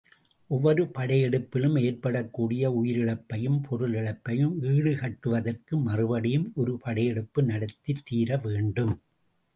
ஒவ்வொரு படையெடுப்பிலும் ஏற்படக்கூடிய உயிரிழப்பையும், பொருள் இழப்பையும் ஈடுகட்டுவதற்கு மறுபடியும் ஒரு படையெடுப்பு நடத்தித் தீரவேண்டும்.